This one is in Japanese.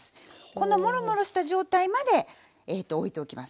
このもろもろした状態までおいておきます。